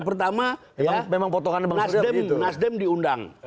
pertama nasdem diundang